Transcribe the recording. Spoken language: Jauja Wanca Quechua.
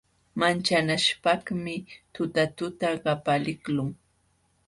Manchanaśhpaqmi tutatuta qapaliqlun.